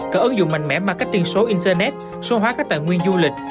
cần ứng dụng mạnh mẽ marketing số internet số hóa các tài nguyên du lịch